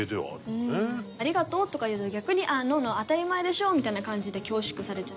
「ありがとう」とか言うと逆に「ノーノー」「当たり前でしょ」みたいな感じで恐縮されちゃうんです。